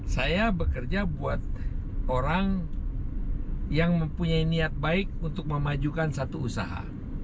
saya bekerja buat orang yang mempunyai niat baik untuk memajukan satu usaha